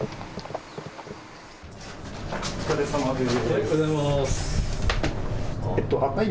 お疲れさまです。